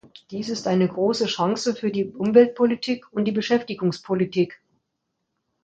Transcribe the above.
Dies ist eine große Chance für die Umweltpolitik und die Beschäftigungspolitik.